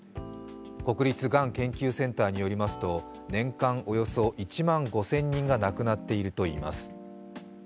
国立がん研究センターによりますと、年間およそ１万５０００人が亡くなっているといいます。